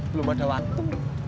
belum ada waktu